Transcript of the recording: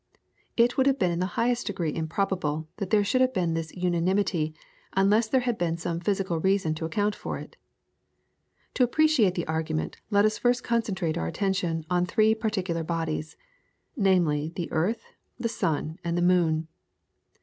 It would have been in the highest degree improbable that there should have been this unanimity unless there had been some physical reason to account for it. To appreciate the argument let us first concentrate our attention on three particular bodies, namely the earth, the sun, and the moon.